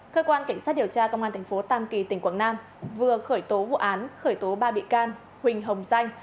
cơ quan cảnh sát điều tra công an tp tam kỳ tỉnh quảng nam vừa khởi tố vụ án khởi tố ba bị can huỳnh hồng danh